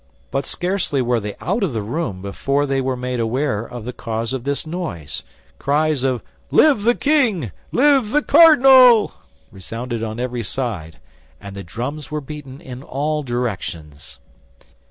But scarcely were they out of the room before they were made aware of the cause of this noise. Cries of "Live the king! Live the cardinal!" resounded on every side, and the drums were beaten in all directions.